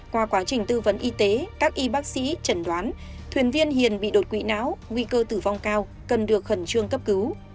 qua quá trình tư vấn y tế các y bác sĩ chẩn đoán thuyền viên hiền bị đột quỵ não nguy cơ tử vong cao cần được khẩn trương cấp cứu